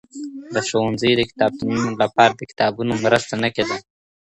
د ښوونځیو د کتابتونو لپاره د کتابونو مرسته نه کيده.